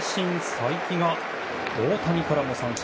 才木が大谷からも三振。